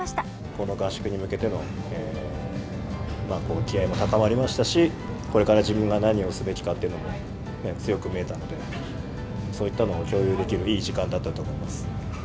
この合宿に向けての気合いも高まりましたし、これから自分が何をすべきかというのも強く見えたので、そういったのを共有できるいい時間だったと思います。